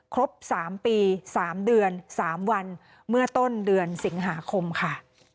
ครบ๓ปี๓เดือน๓วันเมื่อต้นเดือนสิงหาคมค่ะ